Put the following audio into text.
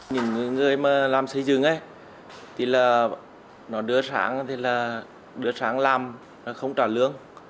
nhìn người làm xây dựng thì đứa sáng làm không trả lương